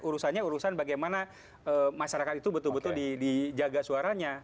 urusannya urusan bagaimana masyarakat itu betul betul dijaga suaranya